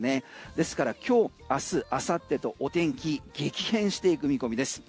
ですから今日、明日、あさってとお天気激変していく見込みです。